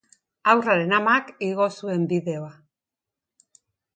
Haurraren amak igo zuen bideoa.